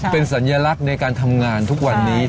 เป็นสัญลักษณ์ในการทำงานทุกวันนี้